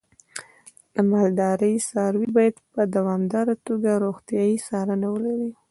د مالدارۍ څاروی باید په دوامداره توګه روغتیايي څارنه ولري.